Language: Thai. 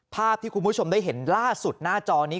ภาพที่คุณผู้ชมได้เห็นล่าสุดหน้าจอนี้